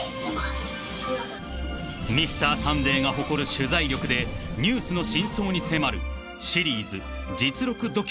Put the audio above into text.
［『Ｍｒ．サンデー』が誇る取材力でニュースの真相に迫る］